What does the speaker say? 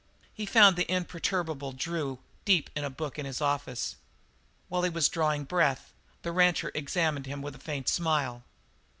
He found the imperturbable Drew deep in a book in his office. While he was drawing breath, the rancher examined him with a faint smile.